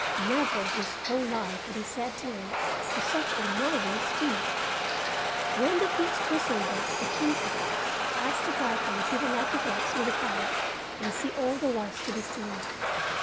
Never in his whole life had he sat down to such a marvelous feast. When the feast was over the Princes asked the bridegroom if he would like to walk through the palace and see all there was to be seen.